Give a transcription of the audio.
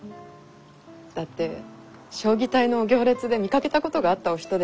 だって彰義隊のお行列で見かけたことがあったお人でしたから。